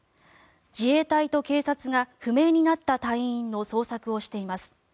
自衛隊と警察が不明になった隊員の捜索をしています。